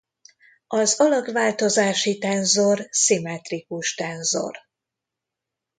Az alakváltozási tenzor szimmetrikus tenzor.